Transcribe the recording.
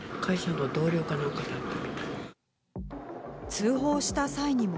通報した際にも。